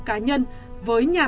cá nhân với nhà